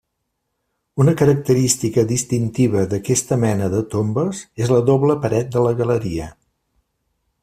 Una característica distintiva d'aquesta mena de tombes és la doble paret de la galeria.